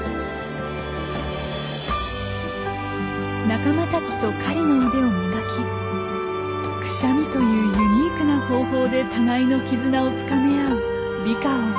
仲間たちと狩りの腕を磨き「クシャミ」というユニークな方法で互いの絆を深め合うリカオン。